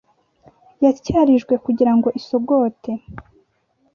yatyarijwe kugira ngo isogote.